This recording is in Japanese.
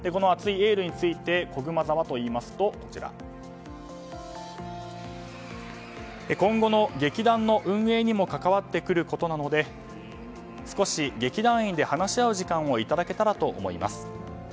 熱いエールについてこぐま座はといいますと今後の劇団の運営にも関わってくることなので少し、劇団員で話し合う時間をいただけたらと思います。